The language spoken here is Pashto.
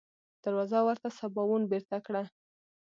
دروازه ورته سباوون بېرته کړه.